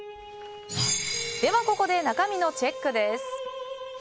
では、中身のチェックです。